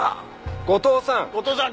後藤さん！